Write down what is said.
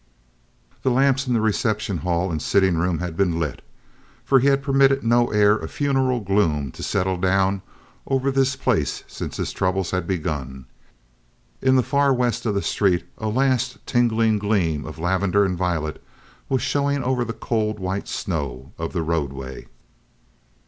The lamps in the reception hall and sitting room had been lit, for he had permitted no air of funereal gloom to settle down over this place since his troubles had begun. In the far west of the street a last tingling gleam of lavender and violet was showing over the cold white snow of the roadway.